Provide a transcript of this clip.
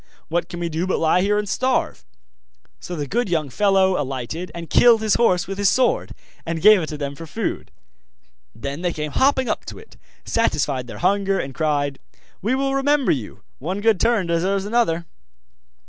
What can we do, but lie here and starve?' So the good young fellow alighted and killed his horse with his sword, and gave it to them for food. Then they came hopping up to it, satisfied their hunger, and cried: 'We will remember you one good turn deserves another!